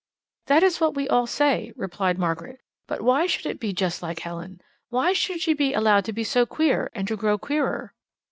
"That is what we all say," replied Margaret. "But why should it be just like Helen? Why should she be allowed to be so queer, and to grow queerer?"